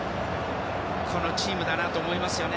このチームだなと思いますよね。